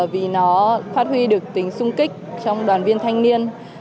vì nó phát huy được tính sung kích trong đoàn viên thanh niên